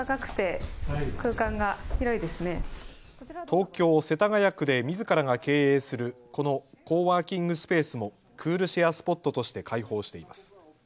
東京世田谷区でみずからが経営するこのコワーキングスペースもクールシェアスポットとして開放しています。